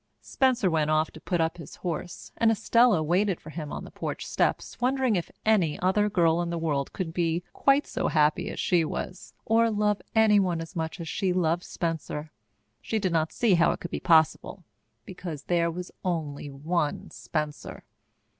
Spencer went off to put up his horse, and Estella waited for him on the porch steps, wondering if any other girl in the world could be quite so happy as she was, or love anyone as much as she loved Spencer. She did not see how it could be possible, because there was only one Spencer.